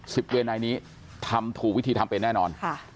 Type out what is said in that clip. สิบเวนในนี้ทำถูกวิธีทำเป็นแน่นอนค่ะ